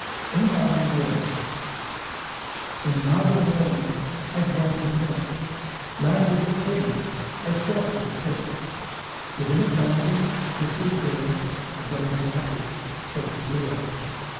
IN MARBLE WALLS In marble walls as white as milk, Lined with a skin as soft as silk, Within a fountain crystal clear, A golden apple doth appear.